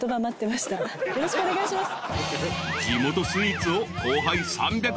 よろしくお願いします。